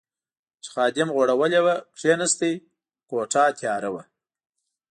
چې خادم غوړولې وه، کېناست، کوټه تیاره وه.